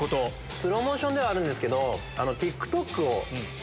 プロモーションではあるんですけど。